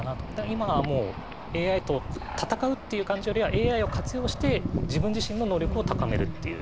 今はもうＡＩと戦うっていう感じよりはＡＩを活用して自分自身の能力を高めるっていうような。